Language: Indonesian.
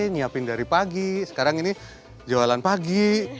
nyiapin dari pagi sekarang ini jualan pagi